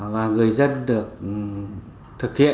và người dân được thực hiện